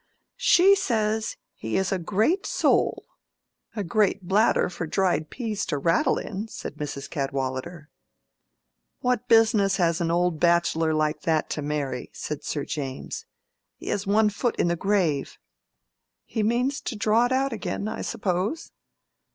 "She says, he is a great soul.—A great bladder for dried peas to rattle in!" said Mrs. Cadwallader. "What business has an old bachelor like that to marry?" said Sir James. "He has one foot in the grave." "He means to draw it out again, I suppose."